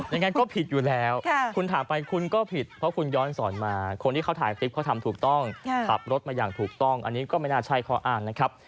อย่างนั้นก็ผิดอยู่แล้วคุณถามไปคุณก็ผิดเพราะคุณย้อนสอนมาคนที่เขาถ่ายคลิปเขาทำถูกต้องขับรถมาอย่างถูกต้องอันนี้ก็ไม่น่าใช่ข้ออ้างนะครับ